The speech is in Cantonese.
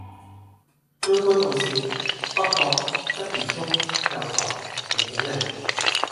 將軍澳綫：北角，鰂魚涌，油塘，調景嶺